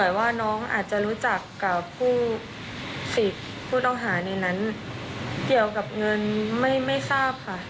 แต่ว่าน้องอาจจะรู้จักกับผู้สิทธิ์ผู้ต้องหาในนั้นเกี่ยวกับเงินไม่ทราบค่ะ